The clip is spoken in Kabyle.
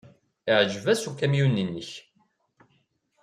Yeɛjeb-as ukamyun-nnek.